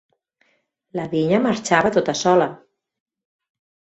La vinya marxava tota sola.